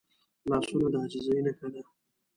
لاسونه د عاجزۍ نښه ده